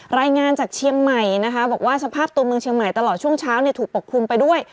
รายงานจากเชียงใหม่นะคะบอกว่าสภาพตัวเมืองเชียงใหม่ตลอดช่วงเช้าถูกปกคลุมไปด้วย